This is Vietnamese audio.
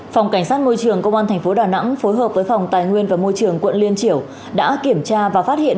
phòng cảnh sát môi trường công an tp đà nẵng phối hợp với phòng tài nguyên và môi trường quận liên triểu đã kiểm tra và phát hiện